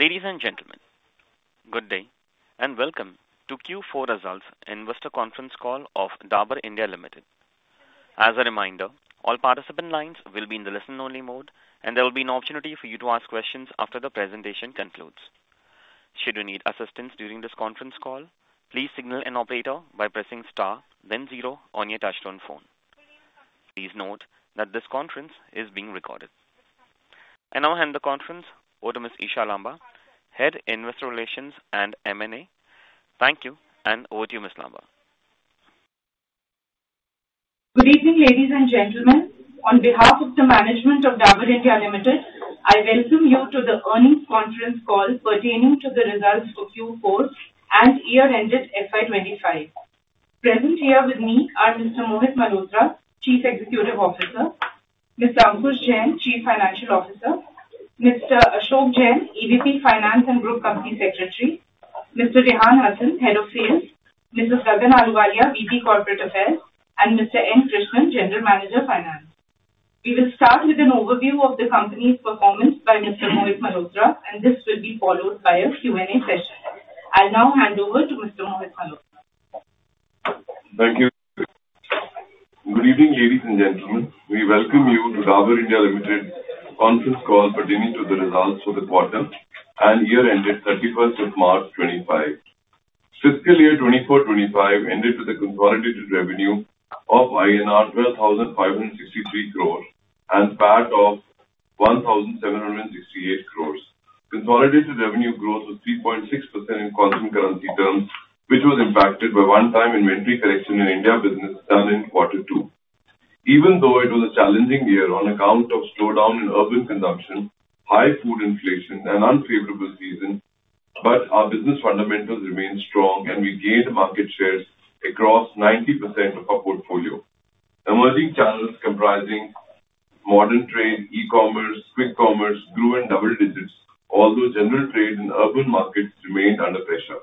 Ladies and gentlemen, good day and welcome to Q4 results and investor conference call of Dabur India Limited. As a reminder, all participant lines will be in the listen-only mode, and there will be an opportunity for you to ask questions after the presentation concludes. Should you need assistance during this conference call, please signal an operator by pressing star, then zero on your touch-tone phone. Please note that this conference is being recorded. I will hand the conference over to Ms. Isha Lamba, Head Investor Relations and M&A. Thank you, and over to you, Ms. Lamba. Good evening, ladies and gentlemen. On behalf of the management of Dabur India Limited, I welcome you to the earnings conference call pertaining to the results for Q4 and year-ended FY2025. Present here with me are Mr. Mohit Malhotra, Chief Executive Officer; Mr. Ankush Jain, Chief Financial Officer; Mr. Ashok Jain, EVP Finance and Group Company Secretary; Mr. Rehan Hassan, Head of Sales; Mr. Raghav Agrawal, VP Corporate Affairs; and Mr. N. Krishnan, General Manager, Finance. We will start with an overview of the company's performance by Mr. Mohit Malhotra, and this will be followed by a Q&A session. I'll now hand over to Mr. Mohit Malhotra. Thank you. Good evening, ladies and gentlemen. We welcome you to Dabur India Limited conference call pertaining to the results for the quarter and year-ended 31st of March 2025. Fiscal year 2024-2025 ended with a consolidated revenue of INR 12,563 crore and PAT of 1,768 crore. Consolidated revenue growth was 3.6% in consumer currency terms, which was impacted by one-time inventory collection in India business done in quarter two. Even though it was a challenging year on account of slowdown in urban consumption, high food inflation, and unfavorable seasons, our business fundamentals remained strong, and we gained market shares across 90% of our portfolio. Emerging channels comprising modern trade, e-commerce, quick commerce grew in double digits, although general trade in urban markets remained under pressure.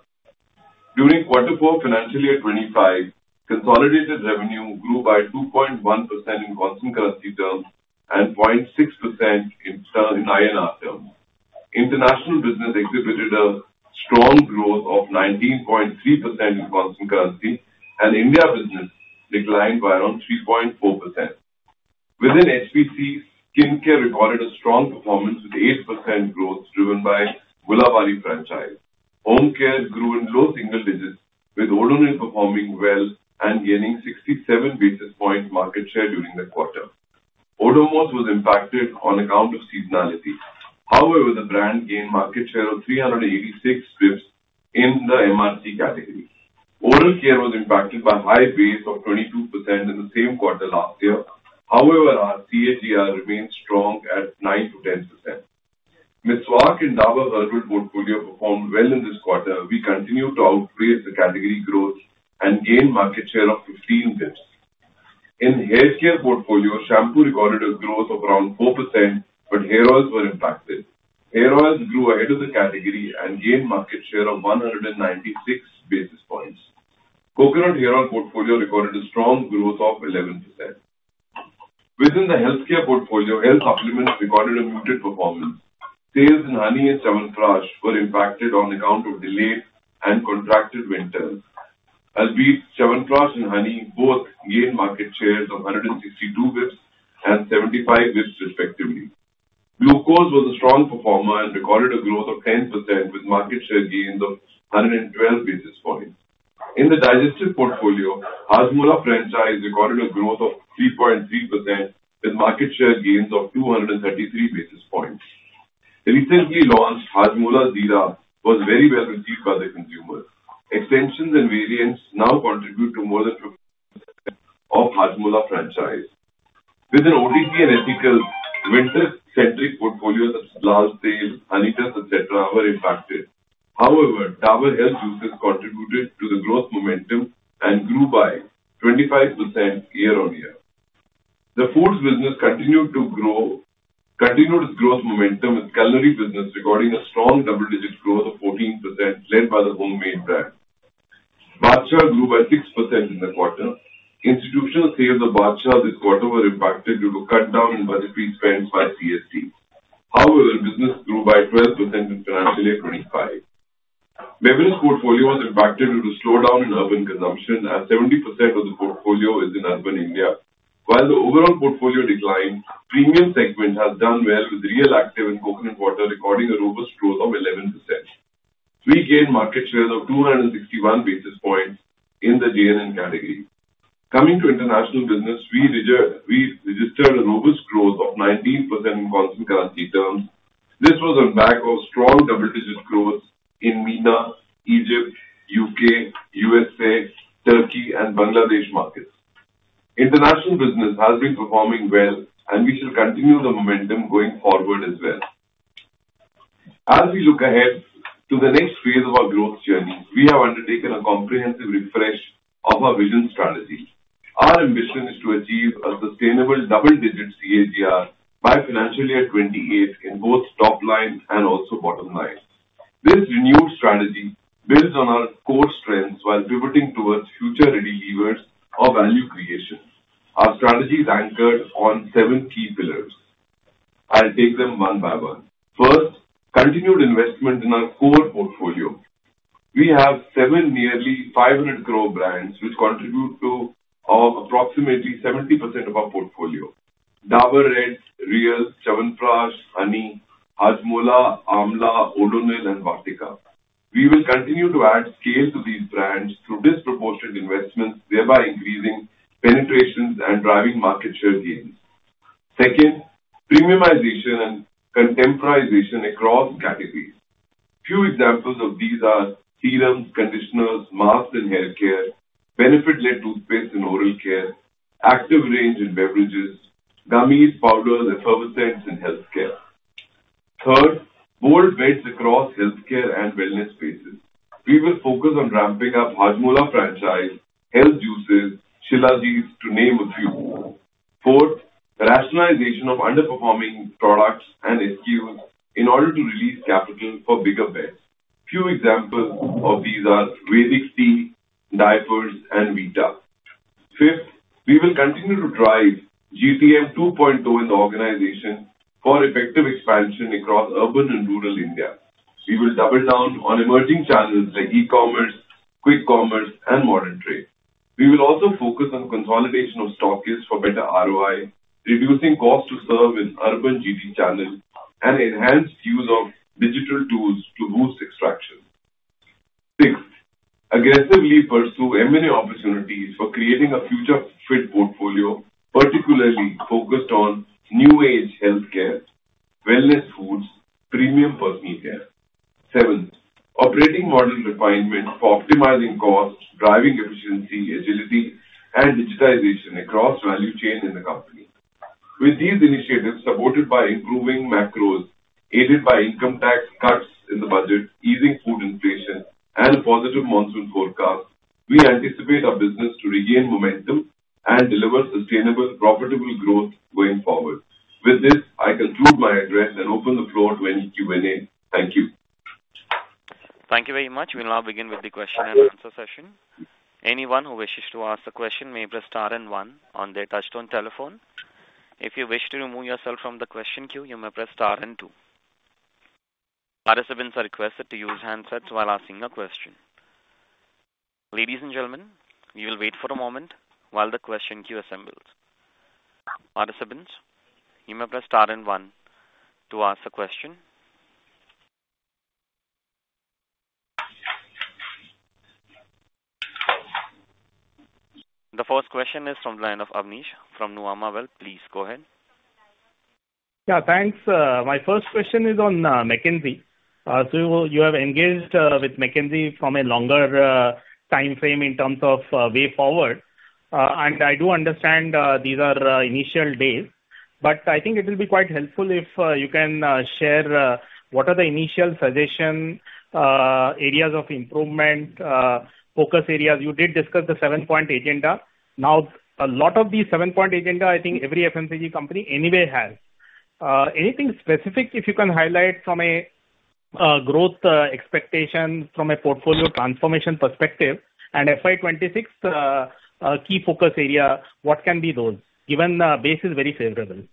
During quarter four, financial year 2025, consolidated revenue grew by 2.1% in consumer currency terms and 0.6% in INR terms. International business exhibited a strong growth of 19.3% in consumer currency, and India business declined by around 3.4%. Within HPC, skin care recorded a strong performance with 8% growth driven by Gulabari franchise. Home care grew in low single digits, with Odonil performing well and gaining 67 basis points market share during the quarter. Odomos was impacted on account of seasonality. However, the brand gained market share of 386 basis points in the MRC category. Oral care was impacted by a high base of 22% in the same quarter last year. However, our CAGR remained strong at 9%-10%. Meswak and Dabur Red portfolio performed well in this quarter. We continued to outpace the category growth and gained market share of 15 basis points. In haircare portfolio, shampoo recorded a growth of around 4%, but Hair Oils were impacted. Hair Oils grew ahead of the category and gained market share of 196 basis points. Coconut Hair Oil portfolio recorded a strong growth of 11%. Within the healthcare portfolio, health supplements recorded a muted performance. Sales in Honey and Chyawanprash were impacted on account of delayed and contracted winters. Albeit, Chyawanprash and honey both gained market shares of 162 basis points and 75 basis points, respectively. Glucose was a strong performer and recorded a growth of 10% with market share gains of 112 basis points. In the digestive portfolio, Hajmola franchise recorded a growth of 3.3% with market share gains of 233 basis points. Recently launched Hajmola Zeera was very well received by the consumers. Extensions and variants now contribute to more than 50% of Hajmola franchise. Within OTC and ethical winter-centric portfolios, Lal Tail, Honitus, etc., were impacted. However, Dabur Health Juices contributed to the growth momentum and grew by 25% year-on-year. The foods business continued to grow, continued its growth momentum with culinary business recording a strong double-digit growth of 14% led by the Homemade brand. Bath shower grew by 6% in the quarter. Institutional sales of bath shower this quarter were impacted due to a cut-down in budgetary spend by CSD. However, business grew by 12% in financial year 2025. Beverage portfolio was impacted due to a slowdown in urban consumption, as 70% of the portfolio is in urban India. While the overall portfolio declined, the premium segment has done well with Real Activ and coconut water recording a robust growth of 11%. We gained market shares of 261 basis points in the J&N category. Coming to international business, we registered a robust growth of 19% in consumer currency terms. This was on back of strong double-digit growth in MENA, Egypt, U.K., U.S.A., Turkey, and Bangladesh markets. International business has been performing well, and we shall continue the momentum going forward as well. As we look ahead to the next phase of our growth journey, we have undertaken a comprehensive refresh of our vision strategy. Our ambition is to achieve a sustainable double-digit CAGR by financial year 2028 in both top line and also bottom line. This renewed strategy builds on our core strengths while pivoting towards future ready levers of value creation. Our strategy is anchored on seven key pillars. I'll take them one by one. First, continued investment in our core portfolio. We have seven nearly 500 crore brands which contribute to approximately 70% of our portfolio: Dabur Red, Real, Chyawanprash, Honey, Hajmola, Amla, Odonil, and Vatika. We will continue to add scale to these brands through disproportionate investments, thereby increasing penetrations and driving market share gains. Second, premiumization and contemporization across categories. Few examples of these are serums, conditioners, masks in haircare, benefit-led toothpaste in oral care, active range in beverages, gummies, powders, and effervescent in healthcare. Third, bold bets across healthcare and wellness spaces. We will focus on ramping up Hajmola franchise, health juices, Shilajit, to name a few. Fourth, rationalization of underperforming products and SKUs in order to release capital for bigger bets. Few examples of these are Vedic Tea, diapers, and Vita. Fifth, we will continue to drive GPM 2.0 in the organization for effective expansion across urban and rural India. We will double down on emerging channels like e-commerce, quick commerce, and modern trade. We will also focus on consolidation of stock lists for better ROI, reducing cost to serve with urban GT channels, and enhanced use of digital tools to boost extraction. Sixth, aggressively pursue M&A opportunities for creating a future-fit portfolio, particularly focused on new age healthcare, wellness foods, premium personal care. Seventh, operating model refinement for optimizing costs, driving efficiency, agility, and digitization across value chain in the company. With these initiatives supported by improving macros, aided by income tax cuts in the budget, easing food inflation, and a positive monsoon forecast, we anticipate our business to regain momentum and deliver sustainable, profitable growth going forward. With this, I conclude my address and open the floor to any Q&A. Thank you. Thank you very much. We'll now begin with the question and answer session. Anyone who wishes to ask a question may press star and one on their touchstone telephone. If you wish to remove yourself from the question queue, you may press star and two. Participants are requested to use handsets while asking a question. Ladies and gentlemen, we will wait for a moment while the question queue assembles. Participants, you may press star and one to ask a question. The first question is from the line of Abneesh from Nuvama Wealth. Please go ahead. Yeah, thanks. My first question is on McKinsey. You have engaged with McKinsey from a longer time frame in terms of way forward. I do understand these are initial days. I think it will be quite helpful if you can share what are the initial suggestion areas of improvement, focus areas. You did discuss the seven-point agenda. A lot of these seven-point agenda, I think every FMCG company anyway has. Anything specific if you can highlight from a growth expectation from a portfolio transformation perspective and FY 2026 key focus area, what can be those? Given the base is very favorable.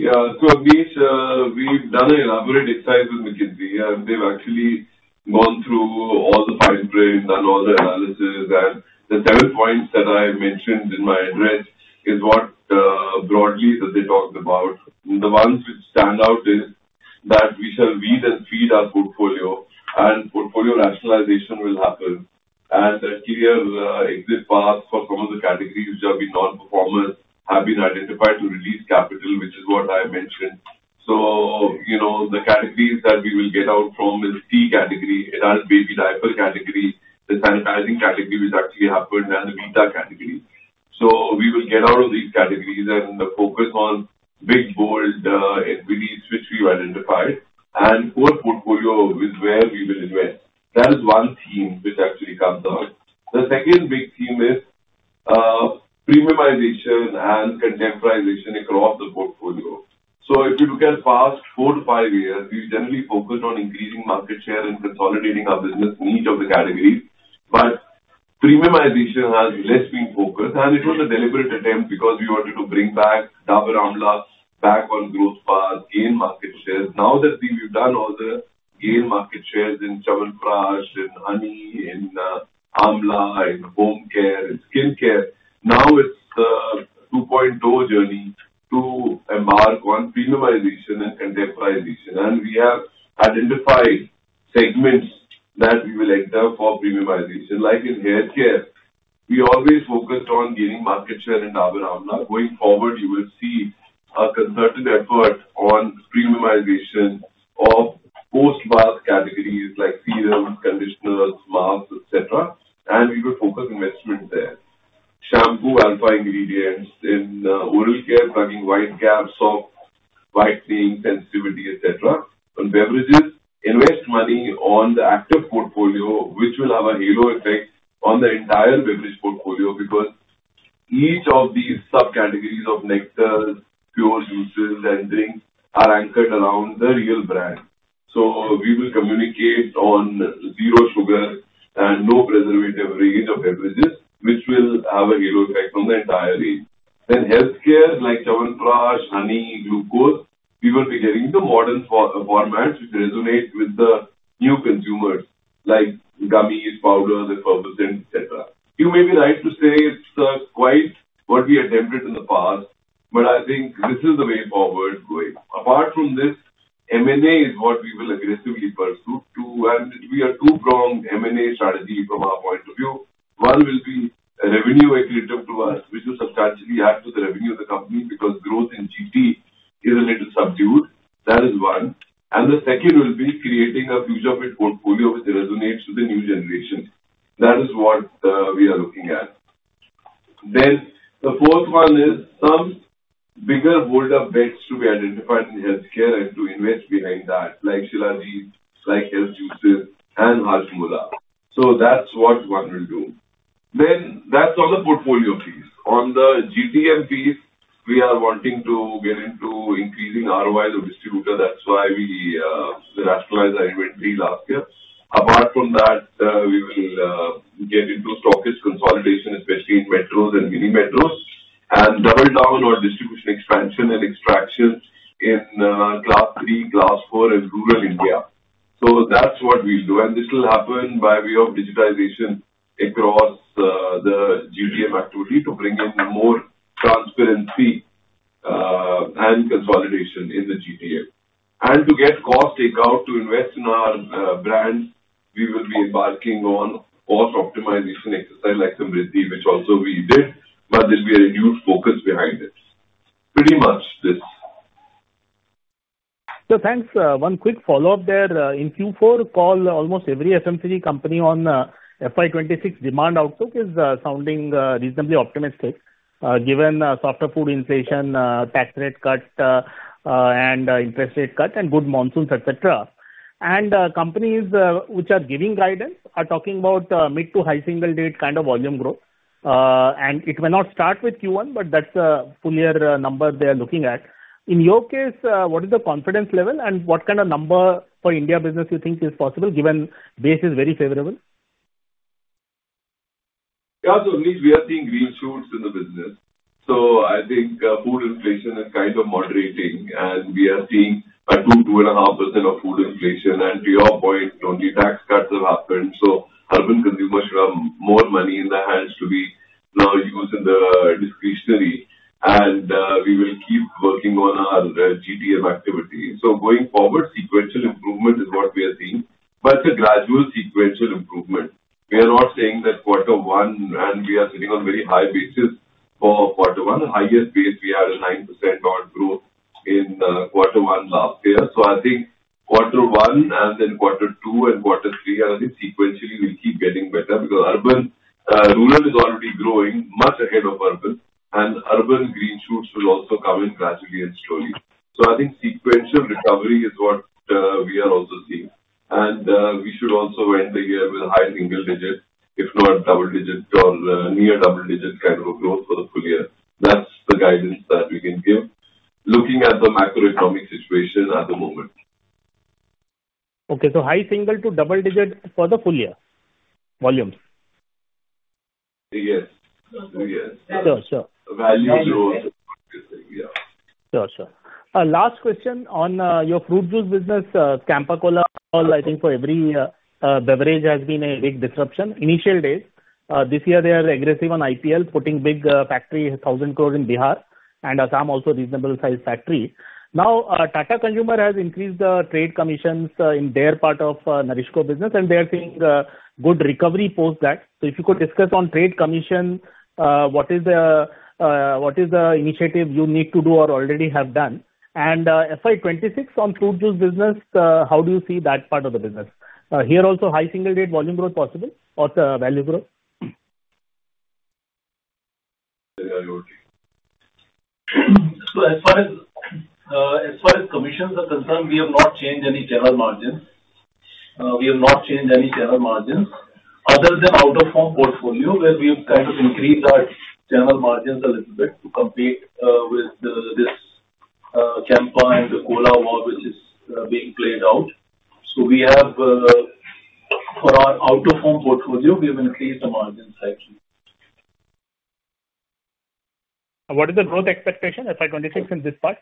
Yeah, so Abneesh we've done an elaborate exercise with McKinsey. They've actually gone through all the fine print and all the analysis. The seven points that I mentioned in my address is what broadly that they talked about. The ones which stand out is that we shall weed and feed our portfolio, and portfolio rationalization will happen. A clear exit path for some of the categories which have been non-performers have been identified to release capital, which is what I mentioned. The categories that we will get out from is tea category, it has baby diaper category, the sanitizing category which actually happened, and the Vita category. We will get out of these categories and focus on big, bold equities which we've identified and core portfolio with where we will invest. That is one theme which actually comes out. The second big theme is premiumization and contemporization across the portfolio. If you look at past four to five years, we've generally focused on increasing market share and consolidating our business need of the categories. Premiumization has less been focused. It was a deliberate attempt because we wanted to bring back Dabur Amla, back on growth path, gain market shares. Now that we've done all the gain market shares in Chyawanprash and Honey and Amla and home care and skin care, now it's a 2.0 journey to embark on premiumization and contemporization. We have identified segments that we will enter for premiumization. Like in haircare, we always focused on gaining market share in Dabur Amla. Going forward, you will see a concerted effort on premiumization of post-bath categories like serums, conditioners, masks, etc. We will focus investment there. Shampoo, alpha ingredients in oral care, plugging white caps, soft whitening, sensitivity, etc. On beverages, invest money on the active portfolio, which will have a halo effect on the entire beverage portfolio because each of these subcategories of nectars, pure juices, and drinks are anchored around the Real brand. We will communicate on zero sugar and no preservative range of beverages, which will have a halo effect on the entire range. Healthcare like Chyawanprash, Honey, Glucose, we will be getting the modern formats which resonate with the new consumers like gummies, powders, and effervescent, etc. You may be right to say it's quite what we attempted in the past, but I think this is the way forward going. Apart from this, M&A is what we will aggressively pursue too. We are two-pronged M&A strategy from our point of view. One will be a revenue equilibrium to us, which will substantially add to the revenue of the company because growth in GT is a little subdued. That is one. The second will be creating a future-fit portfolio which resonates with the new generation. That is what we are looking at. The fourth one is some bigger hold-up bets to be identified in healthcare and to invest behind that, like Shilajit, like health juices, and Hajmola. That is what one will do. That is on the portfolio piece. On the GTM piece, we are wanting to get into increasing ROI to distributor. That is why we rationalized our inventory last year. Apart from that, we will get into stockist consolidation, especially in metros and mini metros, and double down on distribution expansion and extraction in class three, class four, and rural India. That is what we will do. This will happen by way of digitization across the GTM activity to bring in more transparency and consolidation in the GTM. To get cost takeout to invest in our brands, we will be embarking on cost optimization exercise like Samriddhi, which also we did, but there will be a renewed focus behind it. Pretty much this. Thanks. One quick follow-up there. In Q4, almost every FMCG company on FY 2026 demand outlook is sounding reasonably optimistic given softer food inflation, tax rate cut, and interest rate cut, and good monsoons, etc. Companies which are giving guidance are talking about mid to high single-digit kind of volume growth. It may not start with Q1, but that is a full year number they are looking at. In your case, what is the confidence level and what kind of number for India business you think is possible given base is very favorable? Yeah, at least we are seeing green shoots in the business. I think food inflation is kind of moderating, and we are seeing a 2%-2.5% of food inflation. To your point, 20 tax cuts have happened. Urban consumers should have more money in their hands to be now used in the discretionary. We will keep working on our GTM activity. Going forward, sequential improvement is what we are seeing, but it is a gradual sequential improvement. We are not saying that quarter one, and we are sitting on a very high basis for quarter one. The highest base, we had a 9% odd growth in quarter one last year. I think quarter one and then quarter two and quarter three, and I think sequentially we will keep getting better because urban rural is already growing much ahead of urban. Urban green shoots will also come in gradually and slowly. I think sequential recovery is what we are also seeing. We should also end the year with high single-digit, if not double-digit or near double-digit kind of a growth for the full year. That is the guidance that we can give looking at the macroeconomic situation at the moment. Okay, so high single to double-digit for the full year volumes. Yes. Yes. Sure, sure. Value growth. Sure, sure. Last question on your fruit juice business, Campa Cola, I think for every beverage has been a big disruption. Initial days, this year they are aggressive on IPL, putting big factory, 1,000 crore in Bihar, and some also reasonable size factory. Now, Tata Consumer has increased the trade commissions in their part of NourishCo business, and they are seeing good recovery post that. If you could discuss on trade commission, what is the initiative you need to do or already have done? FY 2026 on fruit juice business, how do you see that part of the business? Here also, high single-digit volume growth possible or value growth? As far as commissions are concerned, we have not changed any general margins. We have not changed any general margins other than out-of-home portfolio where we have kind of increased our general margins a little bit to compete with this Campa and the Cola war which is being played out. For our out-of-homeportfolio, we have increased the margins slightly. What is the growth expectation FY 2026 in this part?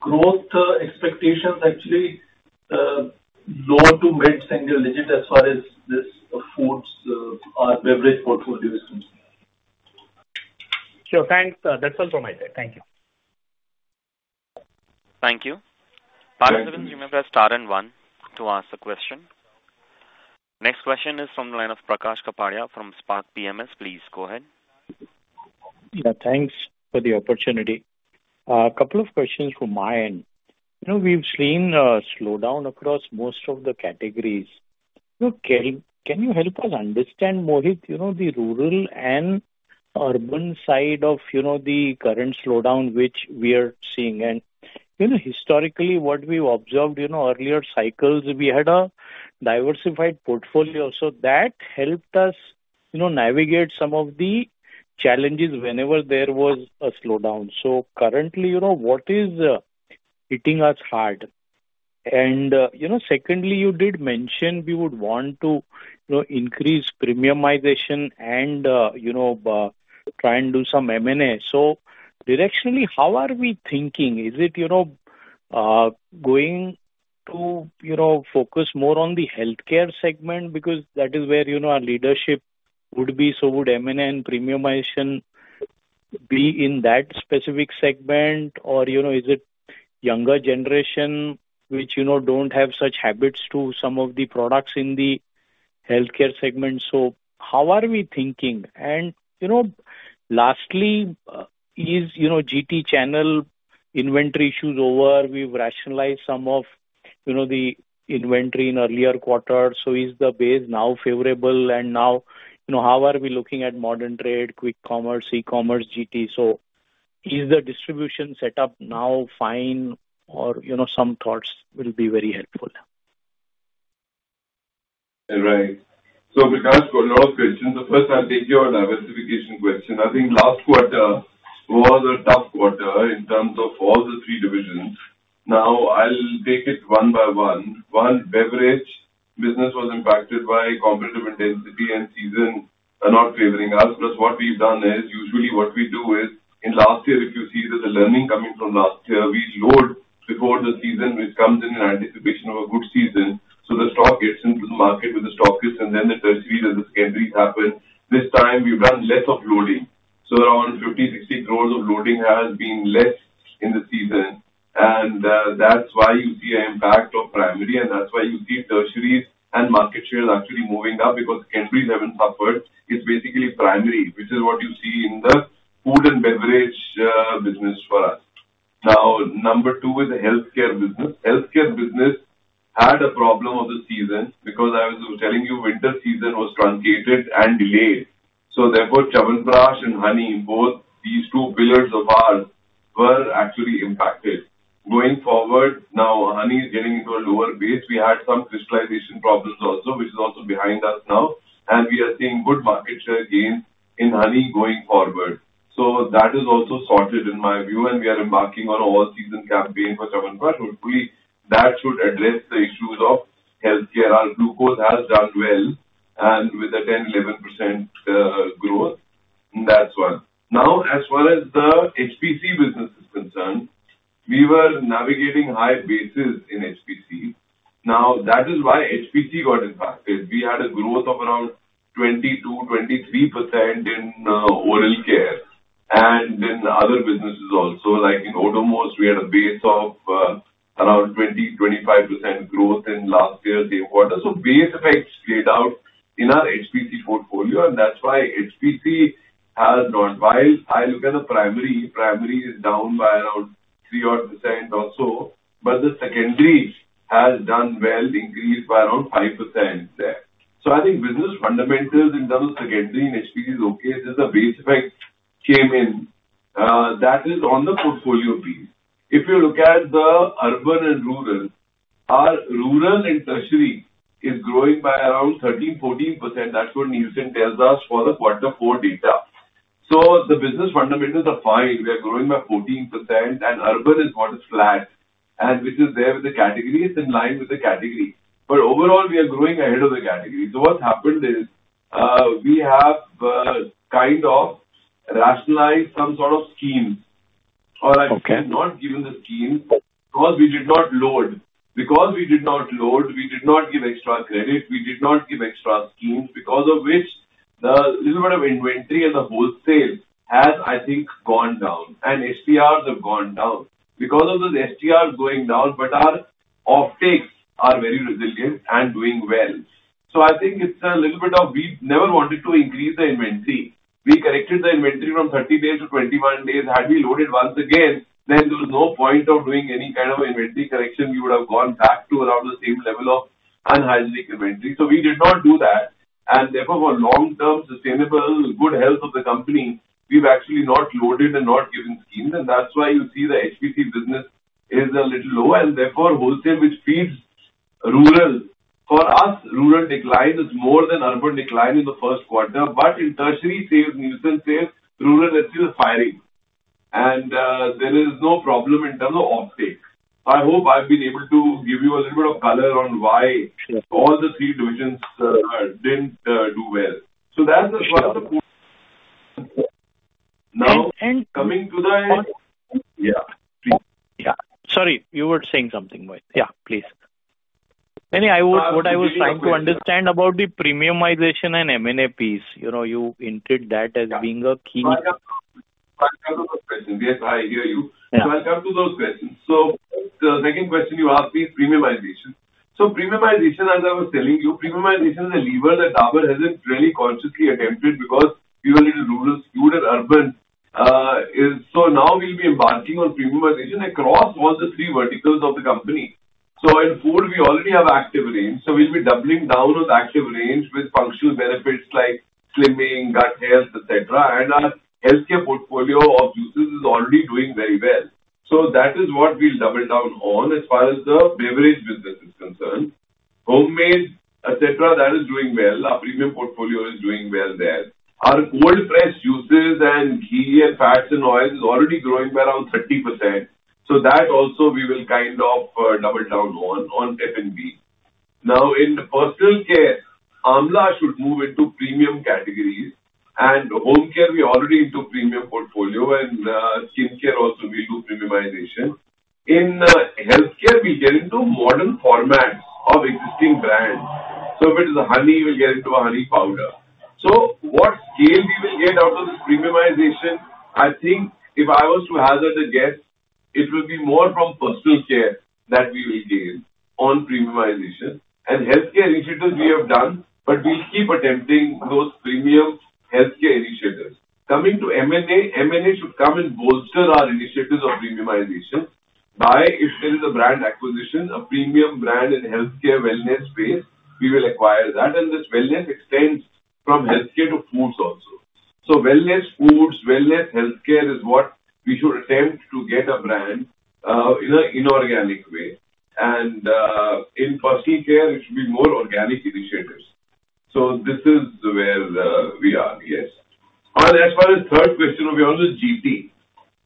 Growth expectations actually low to mid single-digit as far as this foods, our beverage portfolio is concerned. Sure, thanks. That's all from my side. Thank you. Thank you. Participants, you may press star and one to ask a question. Next question is from the line of Prakash Kapadia from Spark PMS. Please go ahead. Yeah, thanks for the opportunity. A couple of questions from my end. We've seen a slowdown across most of the categories. Can you help us understand, Mohit, the rural and urban side of the current slowdown which we are seeing? Historically, what we observed earlier cycles, we had a diversified portfolio. That helped us navigate some of the challenges whenever there was a slowdown. Currently, what is hitting us hard? You did mention we would want to increase premiumization and try and do some M&A. Directionally, how are we thinking? Is it going to focus more on the healthcare segment? That is where our leadership would be. Would M&A and premiumization be in that specific segment? Is it younger generation which don't have such habits to some of the products in the healthcare segment? How are we thinking? Is GT channel inventory issues over? We've rationalized some of the inventory in earlier quarters. Is the base now favorable? How are we looking at modern trade, quick commerce, e-commerce, GT? Is the distribution setup now fine? Some thoughts will be very helpful. Right. Prakash, a lot of questions. The first, I'll take your diversification question. I think last quarter was a tough quarter in terms of all the three divisions. Now, I'll take it one by one. One, beverage business was impacted by competitive intensity and season not favoring us. Plus, what we've done is usually what we do is in last year, if you see there's a learning coming from last year, we load before the season which comes in in anticipation of a good season. The stock gets into the market with the stockists, and then the tertiaries and the secondaries happen. This time, we've done less of loading. Around 50-60 crore of loading has been less in the season. That's why you see an impact of primary. That's why you see tertiaries and market shares actually moving up because secondaries haven't suffered. It's basically primary, which is what you see in the food and beverage business for us. Number two is the healthcare business. Healthcare business had a problem of the season because I was telling you winter season was truncated and delayed. Therefore, Chyawanprash and honey, both these two pillars of ours were actually impacted. Going forward, now honey is getting into a lower base. We had some crystallization problems also, which is also behind us now. We are seeing good market share gains in honey going forward. That is also sorted in my view. We are embarking on an all-season campaign for Chyawanprash. Hopefully, that should address the issues of healthcare. Our Glucose has done well with a 10%-11% growth. That's one. As far as the HPC business is concerned, we were navigating high bases in HPC. Now, that is why HPC got impacted. We had a growth of around 22%-23% in oral care. And then other businesses also, like in automotive, we had a base of around 20%-25% growth in last year, same quarter. So base effects played out in our HPC portfolio. That is why HPC has not. While I look at the primary, primary is down by around 3% or so, but the secondary has done well, increased by around 5% there. I think business fundamentals in terms of secondary and HPC is okay. This is a base effect came in. That is on the portfolio piece. If you look at the urban and rural, our rural and tertiary is growing by around 13%-14%. That is what Nielsen tells us for the quarter four data. The business fundamentals are fine. We are growing by 14%. Urban is what is flat, which is there with the category. It's in line with the category. Overall, we are growing ahead of the category. What happened is we have kind of rationalized some sort of schemes. I think we've not given the schemes because we did not load. Because we did not load, we did not give extra credit. We did not give extra schemes because of which the little bit of inventory and the wholesale has, I think, gone down. STRs have gone down. Because of those STRs going down, our offtakes are very resilient and doing well. I think it's a little bit of we never wanted to increase the inventory. We corrected the inventory from 30 days to 41 days. Had we loaded once again, then there was no point of doing any kind of inventory correction. We would have gone back to around the same level of unhygienic inventory. We did not do that. Therefore, for long-term sustainable good health of the company, we have actually not loaded and not given schemes. That is why you see the HPC business is a little lower. Therefore, wholesale, which feeds rural. For us, rural decline is more than urban decline in the first quarter. In tertiary sales, Nielsen says rural is still firing, and there is no problem in terms of offtake. I hope I have been able to give you a little bit of color on why all the three divisions did not do well. That is as well the. And. Now, coming to the. Yeah. Sorry, you were saying something, Mohit. Yeah, please. Anyway, what I was trying to understand about the premiumization and M&A piece, you hinted that as being a key. Welcome to those questions. Yes, I hear you. Welcome to those questions. The second question you asked me is premiumization. Premiumization, as I was telling you, is a lever that Dabur hasn't really consciously attempted because we were a little rural. Fewer urban. Now we'll be embarking on premiumization across all the three verticals of the company. In food, we already have active range. We'll be doubling down on active range with functional benefits like slimming, gut health, etc. Our healthcare portfolio of juices is already doing very well. That is what we'll double down on as far as the beverage business is concerned. Homemade, etc., that is doing well. Our premium portfolio is doing well there. Our cold-press juices and ghee and fats and oils is already growing by around 30%. That also we will kind of double down on F&B. Now, in the personal care, Amla should move into premium categories. In home care, we're already into premium portfolio. In skin care also, we'll do premiumization. In healthcare, we'll get into modern formats of existing brands. If it is honey, we'll get into a honey powder. What scale we will get out of this premiumization, I think if I was to hazard a guess, it will be more from personal care that we will gain on premiumization. Healthcare initiatives we have done, but we'll keep attempting those premium healthcare initiatives. Coming to M&A, M&A should come and bolster our initiatives of premiumization. If there is a brand acquisition, a premium brand in healthcare wellness space, we will acquire that. This wellness extends from healthcare to foods also. Wellness foods, wellness healthcare is what we should attempt to get a brand in an inorganic way. In personal care, it should be more organic initiatives. This is where we are, yes. As far as third question, we are on the GT.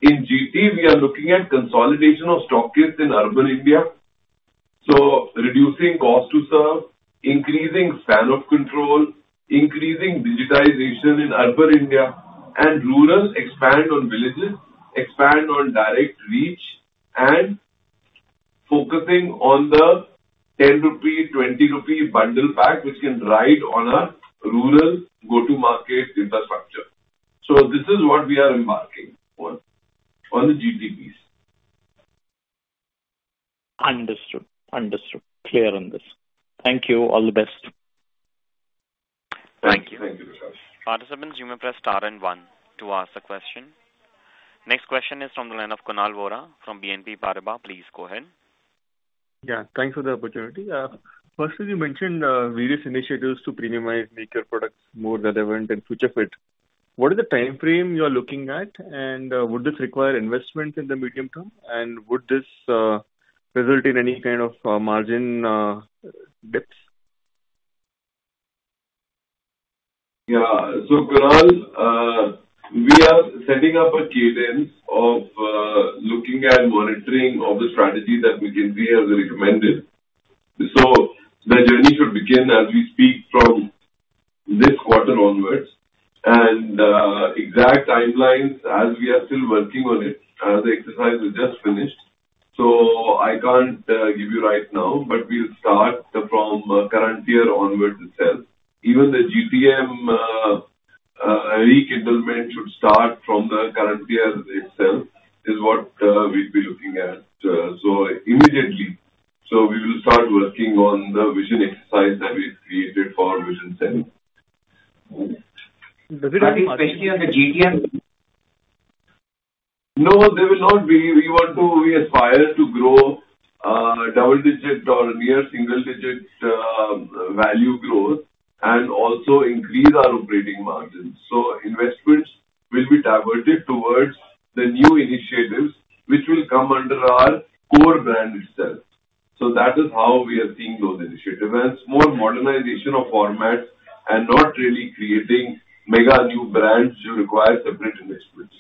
In GT, we are looking at consolidation of stockists in urban India. Reducing cost to serve, increasing fan of control, increasing digitization in urban India, and rural expand on villages, expand on direct reach, and focusing on the 10 rupee, 20 rupee bundle pack which can ride on a rural go-to-market infrastructure. This is what we are embarking on the GT piece. Understood. Understood. Clear on this. Thank you. All the best. Thank you. Thank you, Prakash. Participants, you may press star and one to ask the question. Next question is from the line of Kunal Vora from BNP Paribas. Please go ahead. Yeah. Thanks for the opportunity. Firstly, you mentioned various initiatives to premiumize, make your products more relevant and future-fit. What is the time frame you are looking at? Would this require investment in the medium term? Would this result in any kind of margin dips? Yeah. Kunal, we are setting up a cadence of looking at monitoring of the strategy that McKinsey has recommended. The journey should begin as we speak from this quarter onwards. Exact timelines, as we are still working on it, the exercise we just finished. I can't give you right now, but we'll start from current year onwards itself. Even the GTM rekindlement should start from the current year itself is what we'll be looking at. Immediately, we will start working on the vision exercise that we've created for vision selling. Especially on the GTM? No, there will not be. We aspire to grow double-digit or near single-digit value growth and also increase our operating margins. Investments will be diverted towards the new initiatives which will come under our core brand itself. That is how we are seeing those initiatives. It is more modernization of formats and not really creating mega new brands which will require separate investments.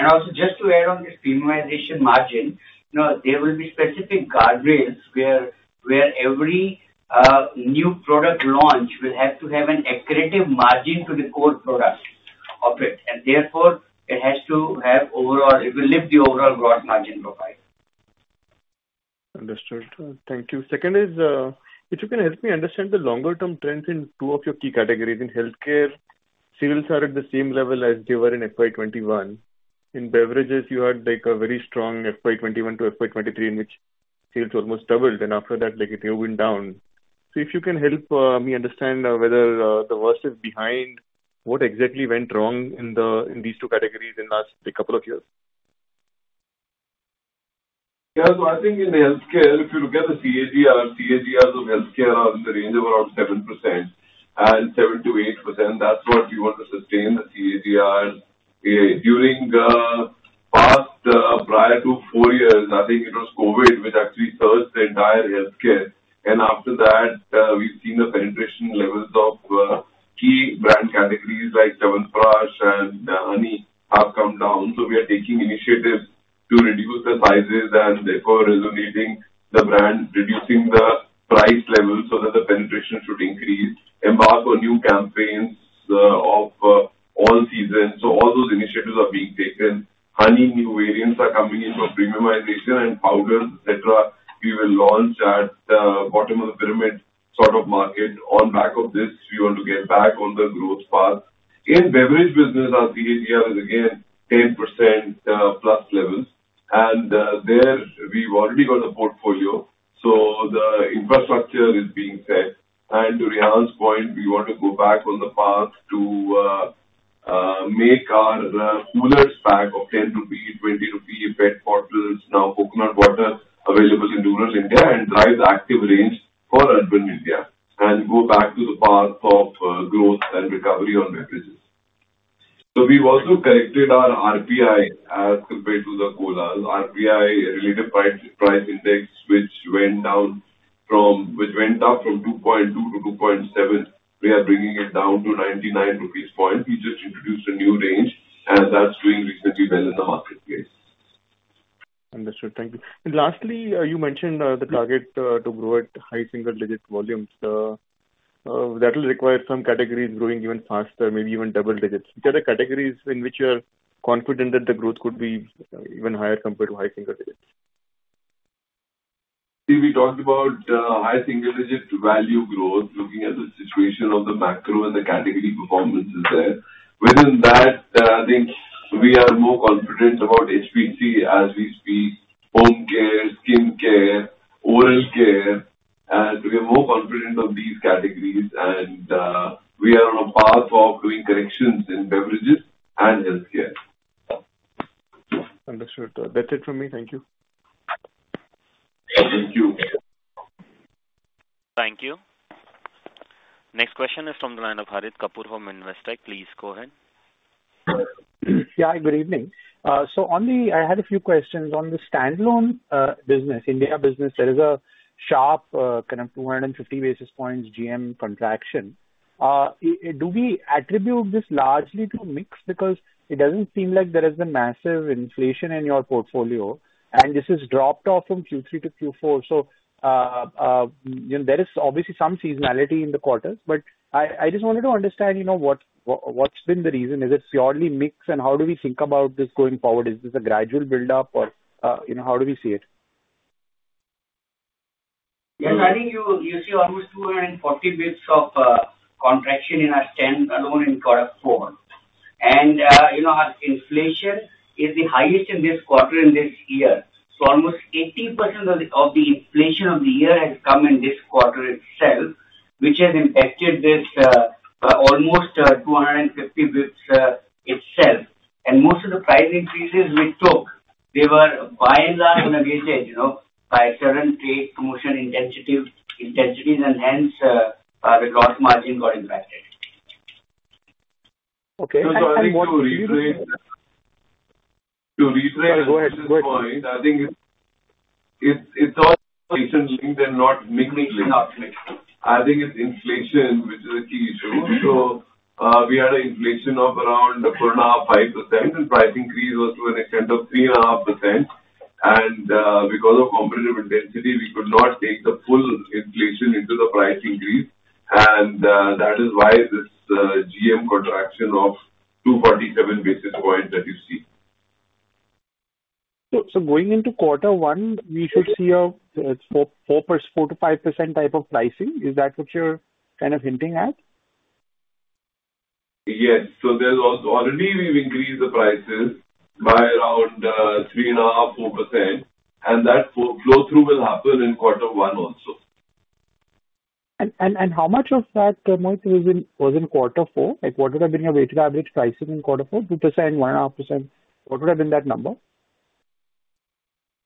Also, just to add on this premiumization margin, there will be specific guardrails where every new product launch will have to have an accurate margin to the core product of it. Therefore, it has to have overall, it will lift the overall gross margin profile. Understood. Thank you. Second is, if you can help me understand the longer-term trends in two of your key categories. In healthcare, sales are at the same level as they were in FY 2021. In beverages, you had a very strong FY 2021 to FY 2023 in which sales almost doubled. After that, it went down. If you can help me understand whether the worst is behind, what exactly went wrong in these two categories in the last couple of years? Yeah. I think in healthcare, if you look at the CAGR, CAGR of healthcare are in the range of around 7% and 7-8%. That's what we want to sustain, the CAGR during the past prior to four years. I think it was COVID which actually surged the entire healthcare. After that, we've seen the penetration levels of key brand categories like Chyawanprash and Honey have come down. We are taking initiatives to reduce the sizes and therefore resonating the brand, reducing the price level so that the penetration should increase, embark on new campaigns of all seasons. All those initiatives are being taken. Honey, new variants are coming in for premiumization and powders, etc. We will launch at the bottom of the pyramid sort of market. On back of this, we want to get back on the growth path. In beverage business, our CAGR is again 10% plus levels. There, we've already got a portfolio. The infrastructure is being set. To Rehan's point, we want to go back on the path to make our Koolerz pack of 10 rupees, 20 rupees, PET bottles, now coconut water available in rural India and drive the active range for urban India and go back to the path of growth and recovery on beverages. We have also corrected our RPI as compared to the Colas. RPI, related price index, which went up from 2.2 to 2.7, we are bringing it down to 99 rupees point. We just introduced a new range, and that's doing reasonably well in the marketplace. Understood. Thank you. Lastly, you mentioned the target to grow at high single-digit volumes. That will require some categories growing even faster, maybe even double digits. Which are the categories in which you're confident that the growth could be even higher compared to high single digits? We talked about high single-digit value growth, looking at the situation of the macro and the category performances there. Within that, I think we are more confident about HPC as we speak, home care, skin care, oral care. We are more confident of these categories. We are on a path of doing corrections in beverages and healthcare. Understood. That's it from me. Thank you. Thank you. Thank you. Next question is from the line of Harit Kapoor from Investec. Please go ahead. Hi, good evening. I had a few questions on the stand-alone business, India business. There is a sharp kind of 250 basis points GM contraction. Do we attribute this largely to mix? Because it does not seem like there has been massive inflation in your portfolio, and this has dropped off from Q3 to Q4. There is obviously some seasonality in the quarters. I just wanted to understand what has been the reason. Is it purely mix? How do we think about this going forward? Is this a gradual buildup, or how do we see it? Yes. I think you see almost 240 basis points of contraction in our stand-alone in quarter four. Inflation is the highest in this quarter in this year. Almost 80% of the inflation of the year has come in this quarter itself, which has impacted this almost 250 basis points itself. Most of the price increases we took, they were by and large negated by certain trade promotion intensities, and hence the gross margin got impacted. Okay. I think to retrace this point, I think it's all inflation linked and not mixed. I think it's inflation, which is a key issue. We had an inflation of around 4.5%-5%, and price increase was to an extent of 3.5%. Because of competitive intensity, we could not take the full inflation into the price increase. That is why this GM contraction of 247 basis points that you see. Going into quarter one, we should see a 4%-5% type of pricing. Is that what you're kind of hinting at? Yes. Already, we've increased the prices by around 3.5%-4%. That flow-through will happen in quarter one also. How much of that, Mohit, was in quarter four? What would have been your weighted average pricing in quarter four? 2%, 1.5%? What would have been that number?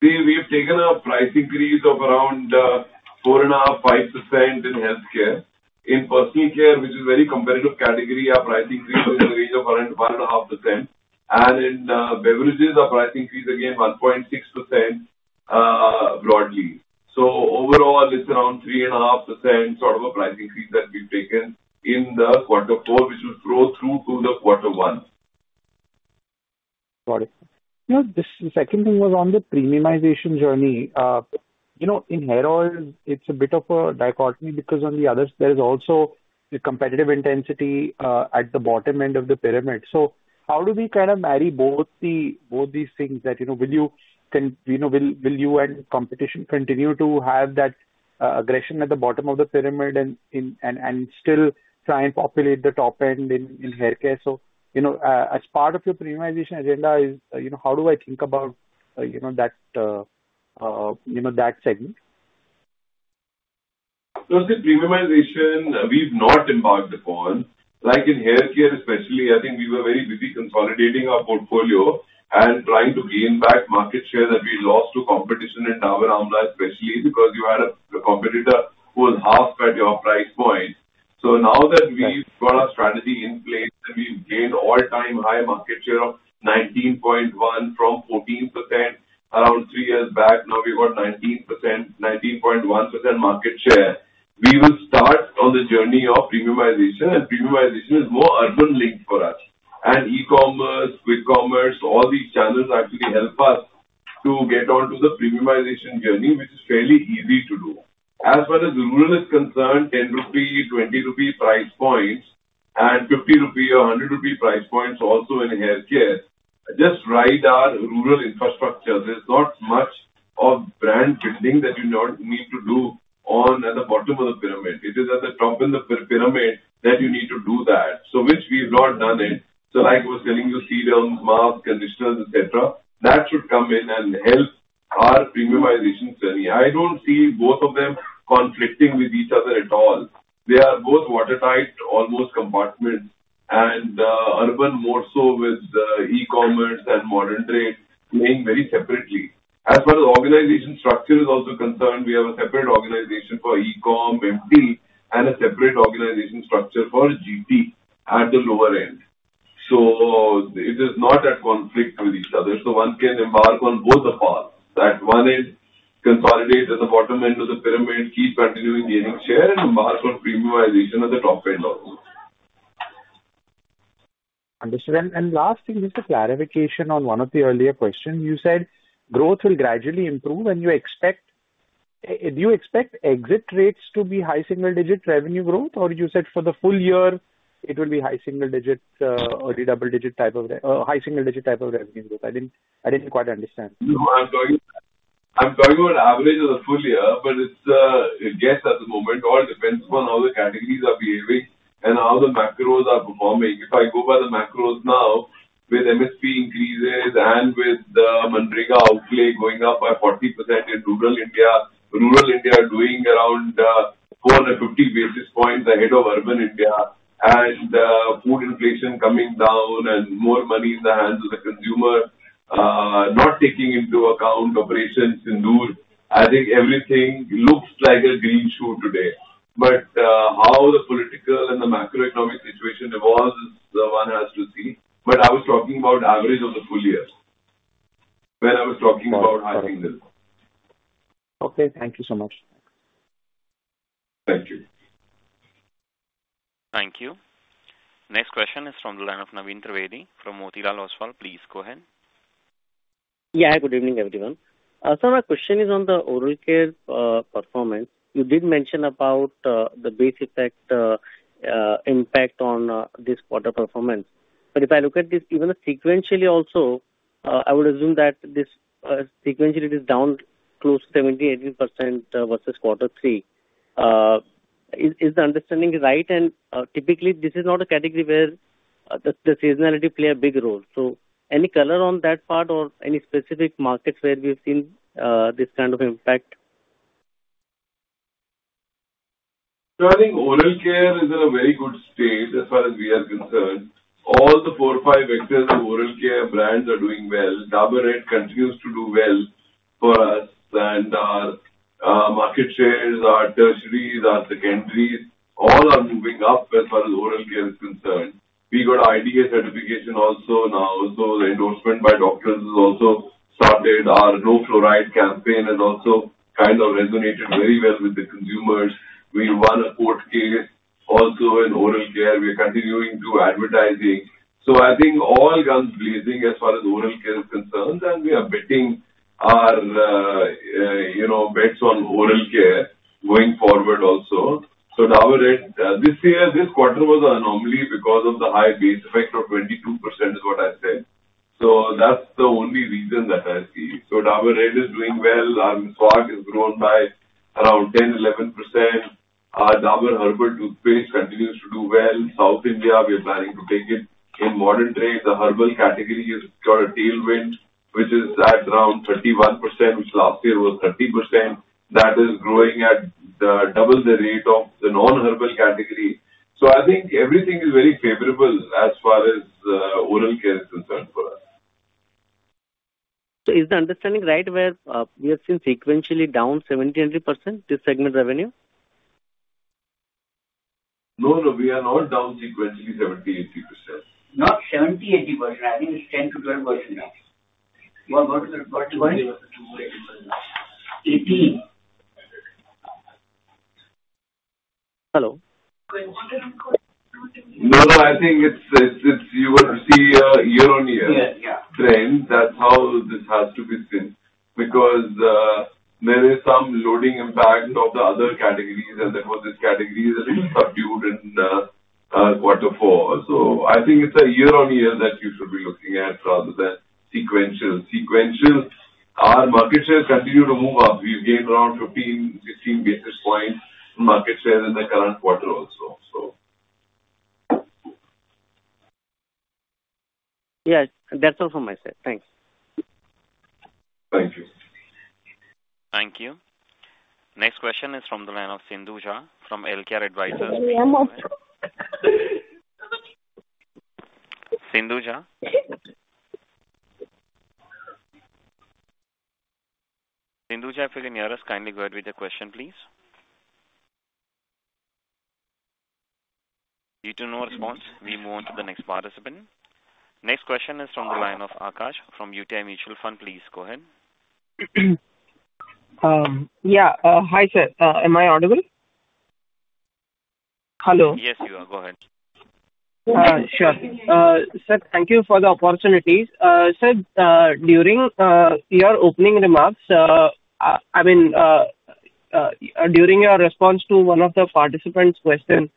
We have taken a price increase of around 4.5%-5% in healthcare. In personal care, which is a very competitive category, our price increase is in the range of around 1.5%. In beverages, our price increase is again 1.6% broadly. Overall, it is around 3.5% sort of a price increase that we have taken in quarter four, which will flow through to quarter one. Got it. The second thing was on the premiumization journey. In Hair Oils, it's a bit of a dichotomy because on the others, there is also a competitive intensity at the bottom end of the pyramid. How do we kind of marry both these things? Will you and competition continue to have that aggression at the bottom of the pyramid and still try and populate the top end in haircare? As part of your premiumization agenda, how do I think about that segment? The premiumization, we've not embarked upon. Like in haircare especially, I think we were very busy consolidating our portfolio and trying to gain back market share that we lost to competition in Dabur Amla, especially because you had a competitor who was half at your price point. Now that we've got our strategy in place and we've gained all-time high market share of 19.1% from 14% around three years back, now we've got 19.1% market share. We will start on the journey of premiumization. Premiumization is more urban linked for us. e-commerce, quick commerce, all these channels actually help us to get onto the premiumization journey, which is fairly easy to do. As far as rural is concerned, 10 rupee, 20 rupee price points, and 50 rupee or 100 rupee price points also in haircare just ride our rural infrastructure. There's not much of brand building that you need to do at the bottom of the pyramid. It is at the top of the pyramid that you need to do that, which we've not done it. Like I was telling you, serums, masks, conditioners, etc., that should come in and help our premiumization journey. I don't see both of them conflicting with each other at all. They are both water tight, almost compartment, and urban more so with e-commerce and modern trade playing very separately. As far as organization structure is also concerned, we have a separate organization for e-com, MT, and a separate organization structure for GT at the lower end. It is not at conflict with each other. One can embark on both the paths. At one end, consolidate at the bottom end of the pyramid, keep continuing gaining share, and embark on premiumization at the top end also. Understood. Last thing, just a clarification on one of the earlier questions. You said growth will gradually improve. Do you expect exit rates to be high single-digit revenue growth, or you said for the full year it will be high single-digit or double-digit type of high single-digit type of revenue growth? I did not quite understand. I'm talking about average of the full year, but it's a guess at the moment. All depends upon how the categories are behaving and how the macros are performing. If I go by the macros now, with MSP increases and with the MGNREGA outlay going up by 40% in rural India, rural India doing around 450 basis points ahead of urban India, and food inflation coming down and more money in the hands of the consumer not taking into account operations, Sindoor, I think everything looks like a green shoe today. How the political and the macroeconomic situation evolves, one has to see. I was talking about average of the full year when I was talking about high single. Okay. Thank you so much. Thank you. Thank you. Next question is from the line of Naveen Trivedi from Motilal Oswal. Please go ahead. Yeah. Good evening, everyone. My question is on the oral care performance. You did mention about the base effect impact on this quarter performance. If I look at this, even sequentially also, I would assume that sequentially it is down close to 70%-80% versus quarter three. Is the understanding right? Typically, this is not a category where the seasonality plays a big role. Any color on that part or any specific markets where we've seen this kind of impact? I think oral care is in a very good state as far as we are concerned. All the four or five vectors of oral care brands are doing well. Dabur Red continues to do well for us. Our market shares, our tertiaries, our secondaries, all are moving up as far as oral care is concerned. We got IDA certification also now. The endorsement by doctors has also started. Our no fluoride campaign also kind of resonated very well with the consumers. We won a court case also in oral care. We are continuing to advertising. I think all guns blazing as far as oral care is concerned. We are betting our bets on oral care going forward also. Dabur Red, this year, this quarter was an anomaly because of the high base effect of 22% is what I said. That is the only reason that I see. Dabur Red is doing well. Swag has grown by around 10%-11%. Dabur herbal toothpaste continues to do well. South India, we are planning to take it in modern trade. The herbal category has got a tailwind, which is at around 31%, which last year was 30%. That is growing at double the rate of the non-herbal category. I think everything is very favorable as far as oral care is concerned for us. Is the understanding right where we have seen sequentially down 70-80% this segment revenue? No, no. We are not down sequentially 70-80%. Not 70-80%. I think it's 10-12% down. Hello? No, no. I think you will see a year-on-year trend. That is how this has to be seen because there is some loading impact of the other categories. Of course, this category is a little subdued in quarter four. I think it is a year-on-year that you should be looking at rather than sequential. Sequential, our market share continued to move up. We have gained around 15-16 basis points in market share in the current quarter also. Yes. That's all from my side. Thanks. Thank you. Thank you. Next question is from the line of Sindhu Jha from Healthcare Advisor. Sindhu Jha? Sindhu Jha, if you can hear us, kindly go ahead with your question, please. Due to no response, we move on to the next participant. Next question is from the line of Akash from UTI Mutual Fund. Please go ahead. Yeah. Hi, sir. Am I audible? Hello? Yes, you are. Go ahead. Sure. Sir, thank you for the opportunity. Sir, during your opening remarks, I mean, during your response to one of the participants' questions,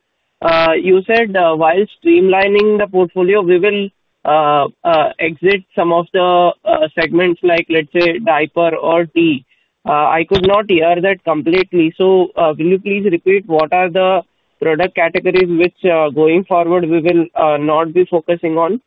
you said while streamlining the portfolio, we will exit some of the segments like, let's say, diaper or tea. I could not hear that completely. Will you please repeat what are the product categories which going forward we will not be focusing on?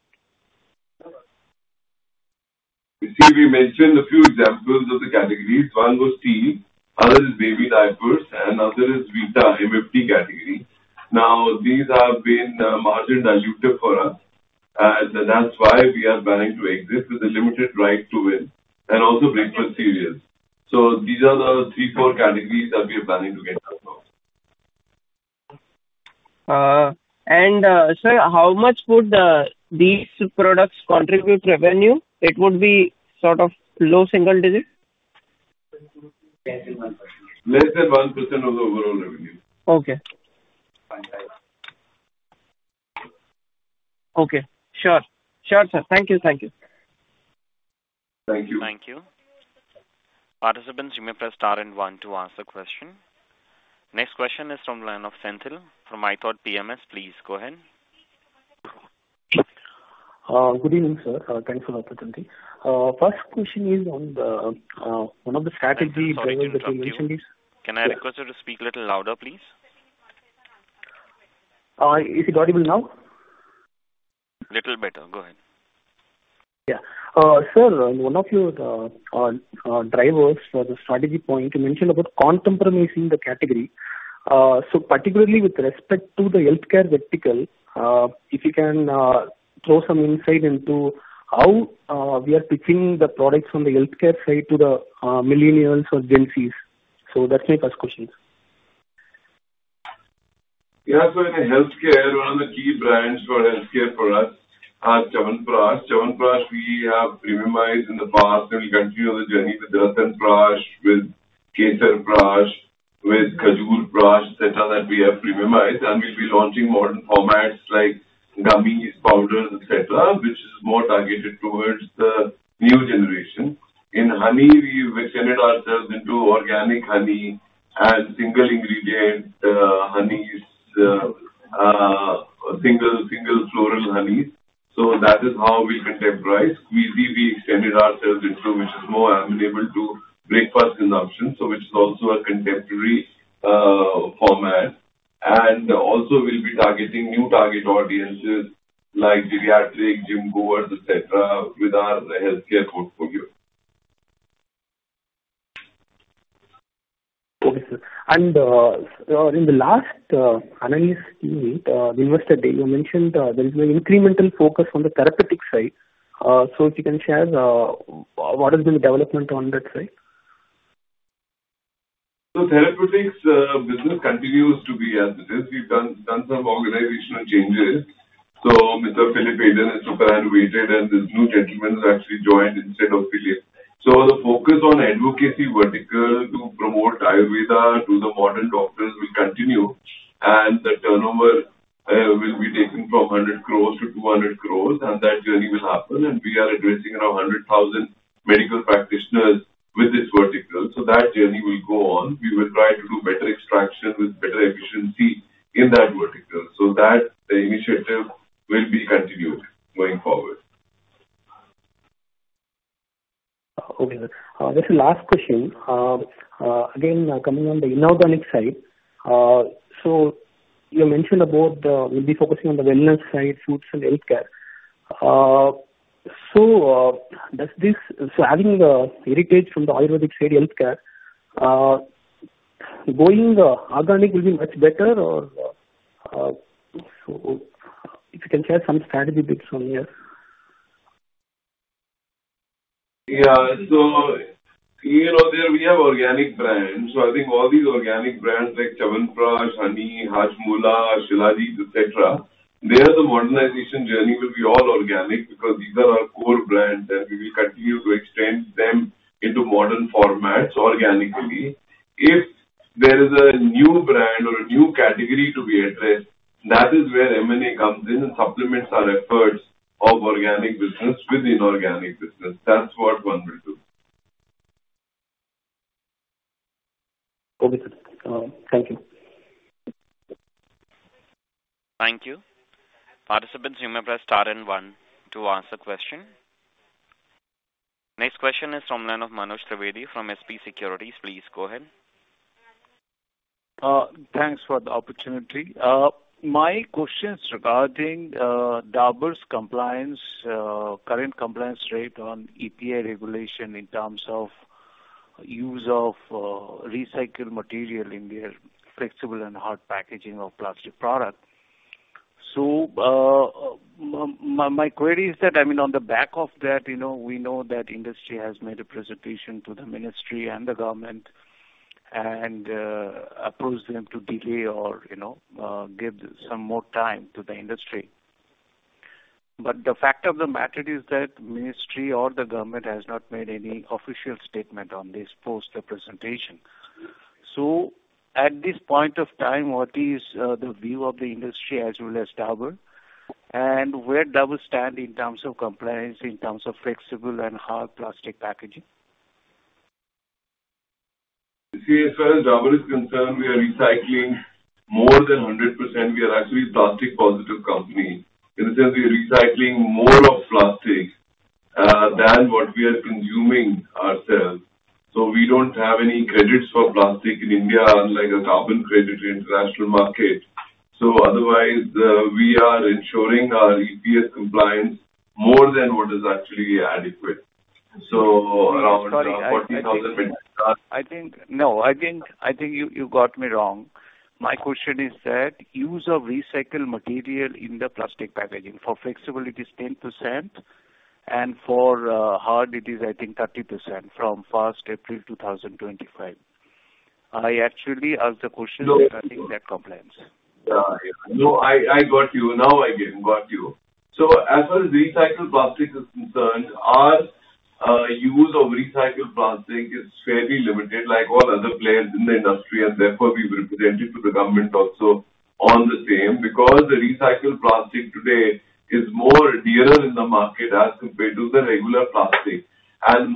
We mentioned a few examples of the categories. One was tea. Other is baby diapers. And other is Vita, MFD category. Now, these have been margin dilutive for us. That is why we are planning to exit with a limited right to win and also breakfast series. These are the three, four categories that we are planning to get out of. Sir, how much would these products contribute revenue? It would be sort of low single digit? Less than 1% of the overall revenue. Okay. Okay. Sure. Sure, sir. Thank you. Thank you. Thank you. Thank you. Participants, you may press star and one to ask the question. Next question is from the line of Senthil from iThought PMS. Please go ahead. Good evening, sir. Thanks for the opportunity. First question is on one of the strategy drivers that you mentioned, please. Can I request you to speak a little louder, please? Is it audible now? Little better. Go ahead. Yeah. Sir, one of your drivers for the strategy point, you mentioned about contemporarily seeing the category. Particularly with respect to the healthcare vertical, if you can throw some insight into how we are pitching the products on the healthcare side to the millennials or Gen Zs. That is my first question. Yeah. In healthcare, one of the key brands for healthcare for us are Chyawanprash. Chyawanprash, we have premiumized in the past and will continue the journey with Ratanprash, with Kesarprash, with Khajurprash, etc., that we have premiumized. We will be launching modern formats like gummies, powders, etc., which is more targeted towards the new generation. In honey, we have extended ourselves into organic honey and single ingredient honeys, single floral honeys. That is how we will contemporize. Squeezy, we extended ourselves into, which is more amenable to breakfast consumption, so which is also a contemporary format. Also, we will be targeting new target audiences like geriatric, gym goers, etc., with our healthcare portfolio. Okay. In the last analyst team, we were said that you mentioned there is an incremental focus on the therapeutic side. If you can share what has been the development on that side? Therapeutics business continues to be as it is. We've done some organizational changes. Mr. Philipe Haydon has took our hand and waited, and this new gentleman has actually joined instead of Philipe. The focus on advocacy vertical to promote Ayurveda to the modern doctors will continue. The turnover will be taken from 100 crore to 200 crore. That journey will happen. We are addressing around 100,000 medical practitioners with this vertical. That journey will go on. We will try to do better extraction with better efficiency in that vertical. That initiative will be continued going forward. Okay. Just a last question. Again, coming on the inorganic side, you mentioned about we'll be focusing on the wellness side, foods, and healthcare. Having the heritage from the Ayurvedic side healthcare, going organic will be much better? If you can share some strategy bits on here. Yeah. Here or there, we have organic brands. I think all these organic brands like Chyawanprash, honey, Hajmola, Shilajit, etc., they are, the modernization journey will be all organic because these are our core brands. We will continue to extend them into modern formats organically. If there is a new brand or a new category to be addressed, that is where M&A comes in and supplements our efforts of organic business with inorganic business. That is what one will do. Okay. Thank you. Thank you. Participants, you may press star and one to ask the question. Next question is from the line of Manush Trivedi from SP Securities. Please go ahead. Thanks for the opportunity. My question is regarding Dabur's current compliance rate on EPR regulation in terms of use of recycled material in their flexible and hard packaging of plastic products. My query is that, I mean, on the back of that, we know that industry has made a presentation to the ministry and the government and approached them to delay or give some more time to the industry. The fact of the matter is that the ministry or the government has not made any official statement on this post the presentation. At this point of time, what is the view of the industry as well as Dabur? Where does Dabur stand in terms of compliance, in terms of flexible and hard plastic packaging? See, as far as Dabur is concerned, we are recycling more than 100%. We are actually a plastic positive company. In a sense, we are recycling more of plastic than what we are consuming ourselves. We do not have any credits for plastic in India, unlike a carbon credit in the international market. Otherwise, we are ensuring our EPR compliance more than what is actually adequate. Around 40,000. No, I think you got me wrong. My question is that use of recycled material in the plastic packaging for flexibility is 10%. And for hard, it is, I think, 30% from 1st April 2025. I actually asked the question regarding that compliance. No, I got you. Now I got you. As far as recycled plastics is concerned, our use of recycled plastic is fairly limited, like all other players in the industry. Therefore, we have represented to the government also on the same because the recycled plastic today is more dearer in the market as compared to the regular plastic.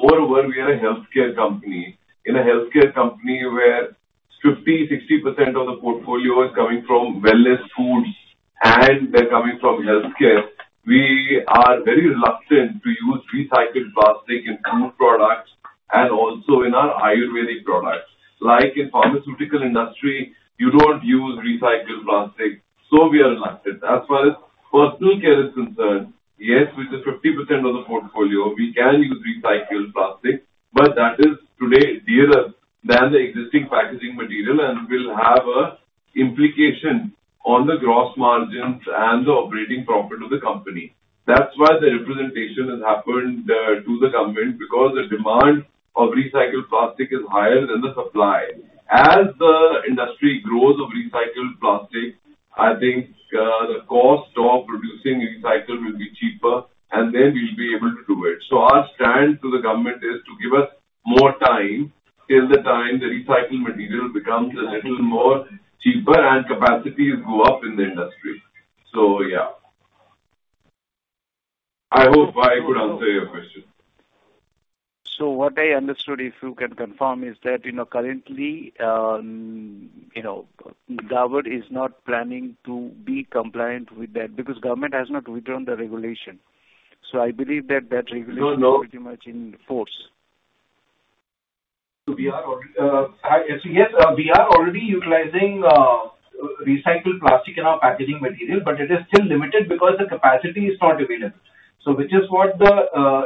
Moreover, we are a healthcare company. In a healthcare company where 50%-60% of the portfolio is coming from wellness foods and they are coming from healthcare, we are very reluctant to use recycled plastic in food products and also in our Ayurvedic products. Like in the pharmaceutical industry, you do not use recycled plastic. We are reluctant. As far as personal care is concerned, yes, with the 50% of the portfolio, we can use recycled plastic. That is today dearer than the existing packaging material and will have an implication on the gross margins and the operating profit of the company. That is why the representation has happened to the government because the demand of recycled plastic is higher than the supply. As the industry grows of recycled plastic, I think the cost of producing recycled will be cheaper, and then we'll be able to do it. Our stand to the government is to give us more time till the time the recycled material becomes a little more cheaper and capacities go up in the industry. Yeah. I hope I could answer your question. What I understood, if you can confirm, is that currently, Dabur is not planning to be compliant with that because government has not withdrawn the regulation. I believe that that regulation is pretty much in force. We are already, yes, we are already utilizing recycled plastic in our packaging material, but it is still limited because the capacity is not available. Which is what the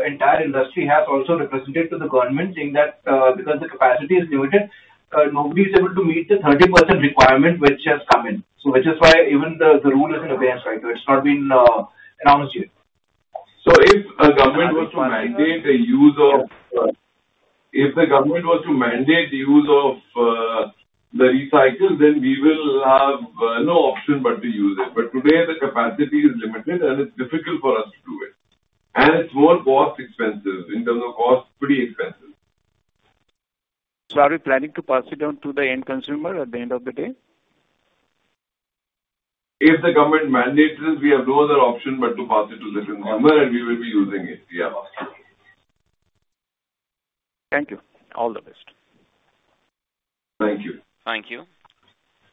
entire industry has also represented to the government, saying that because the capacity is limited, nobody is able to meet the 30% requirement which has come in. Which is why even the rule is in advance, right? It's not been announced yet. If the government was to mandate the use of, if the government was to mandate the use of the recycled, then we will have no option but to use it. Today, the capacity is limited, and it's difficult for us to do it. It's more cost-expensive in terms of cost, pretty expensive. Are we planning to pass it on to the end consumer at the end of the day? If the government mandates it, we have no other option but to pass it to the consumer, and we will be using it. Yeah. Thank you. All the best. Thank you. Thank you.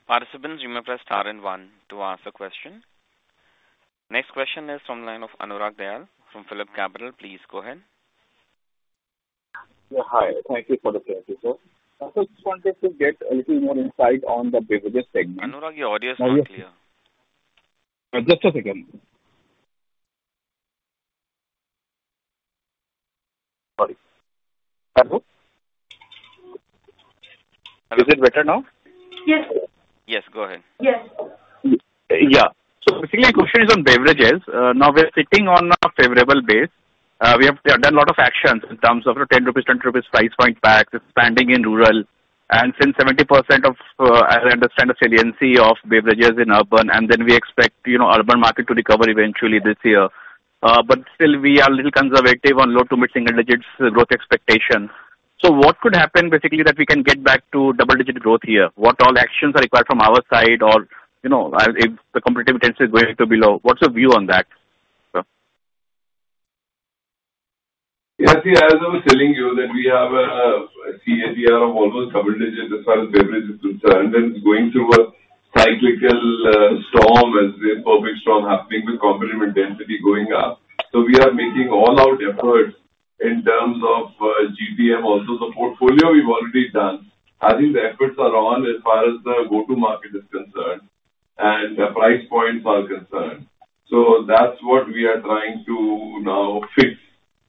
Participants, you may press star and one to ask the question. Next question is from the line of Anurag Dayal from Philip Capital. Please go ahead. Yeah. Hi. Thank you for the question, sir. I just wanted to get a little more insight on the beverage segment. Anurag, your audio is not clear. Just a second. Sorry. Hello? Is it better now? Yes. Yes. Go ahead. Yes. Yeah. Basically, the question is on beverages. Now, we're sitting on a favorable base. We have done a lot of actions in terms of 10 rupees, 20 rupees price point packs, expanding in rural. Since 70% of, as I understand, the saliency of beverages is in urban, and then we expect the urban market to recover eventually this year. Still, we are a little conservative on low to mid-single digits growth expectation. What could happen, basically, that we can get back to double-digit growth here? What all actions are required from our side? If the competitive intensity is going to be low, what's your view on that? Yeah. See, as I was telling you, that we have a CAGR of almost double digits as far as beverages are concerned. It is going through a cyclical storm, as the imperfect storm happening with competition density going up. We are making all our efforts in terms of GPM, also the portfolio we have already done. I think the efforts are on as far as the go-to-market is concerned and the price points are concerned. That is what we are trying to now fix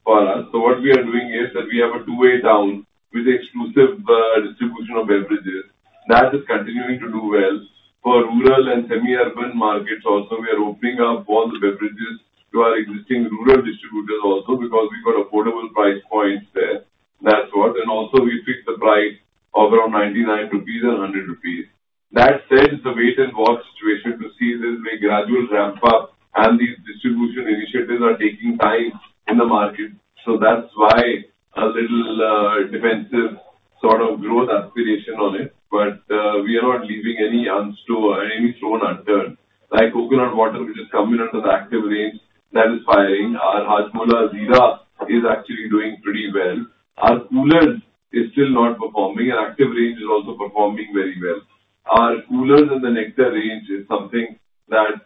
for us. What we are doing is that we have a two-way down with exclusive distribution of beverages. That is continuing to do well. For rural and semi-urban markets also, we are opening up all the beverages to our existing rural distributors also because we got affordable price points there. That is what. Also, we fixed the price of around 99 rupees and 100 rupees. That said, it's a wait-and-watch situation to see if there's any gradual ramp-up. These distribution initiatives are taking time in the market. That's why a little defensive sort of growth aspiration on it. We are not leaving any stone unturned. Like coconut water, which is coming under the active range, that is firing. Our Hajmola Zeera is actually doing pretty well. Our Koolerz is still not performing. Our active range is also performing very well. Our Koolerz and the nectar range is something that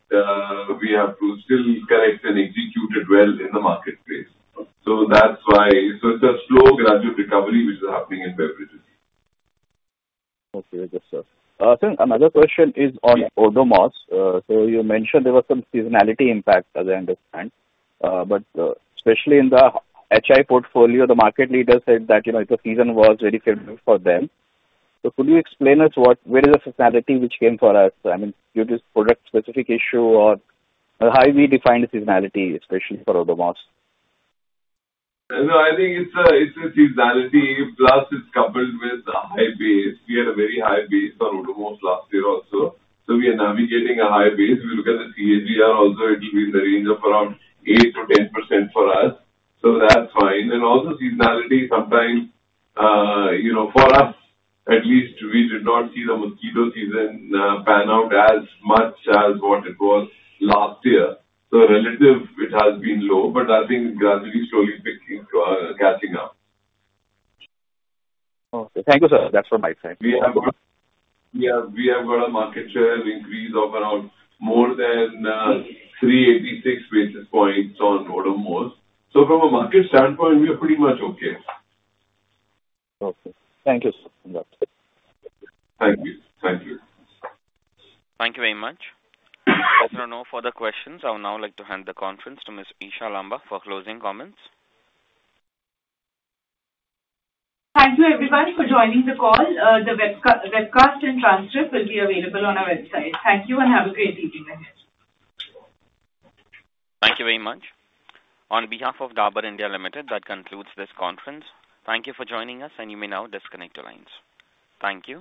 we have to still correct and execute well in the marketplace. That's why. It's a slow gradual recovery, which is happening in beverages. Okay. Yes, sir. Another question is on Odomos. You mentioned there were some seasonality impacts, as I understand. Especially in the HI portfolio, the market leader said that the season was very favorable for them. Could you explain to us where is the seasonality which came for us? I mean, due to product-specific issue or how we define the seasonality, especially for Odomos? No, I think it's a seasonality. Plus, it's coupled with a high base. We had a very high base on Odomos last year also. We are navigating a high base. We look at the CAGR also. It will be in the range of around 8%-10% for us. That's fine. Also, seasonality, sometimes for us, at least, we did not see the mosquito season pan out as much as what it was last year. Relative, it has been low. I think it's gradually, slowly catching up. Okay. Thank you, sir. That's for my side. We have got a market share increase of around more than 386 basis points on Odomos. From a market standpoint, we are pretty much okay. Okay. Thank you, sir. Thank you. Thank you. Thank you very much. As there are no further questions, I would now like to hand the conference to Ms. Isha Lamba for closing comments. Thank you, everyone, for joining the call. The webcast and transcript will be available on our website. Thank you, and have a great evening ahead. Thank you very much. On behalf of Dabur India Limited, that concludes this conference. Thank you for joining us, and you may now disconnect your lines. Thank you.